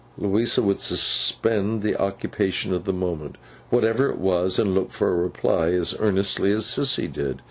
Louisa would suspend the occupation of the moment, whatever it was, and look for the reply as earnestly as Sissy did.